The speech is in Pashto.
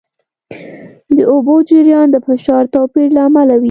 د اوبو جریان د فشار توپیر له امله وي.